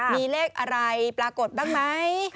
มีเลขอะไรปรากฏบ้างไหม